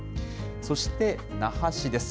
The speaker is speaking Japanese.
そして、那覇市です。